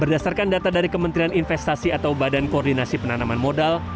berdasarkan data dari kementerian investasi atau badan koordinasi penanaman modal